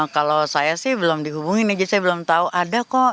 kalau saya sih belum dihubungin aja saya belum tahu ada kok